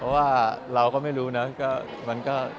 แต่ว่าเราก็ไม่รู้นะ